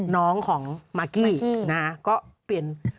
น้องของมากกี้นะ